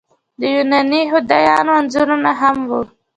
د یوناني خدایانو انځورونه هم وو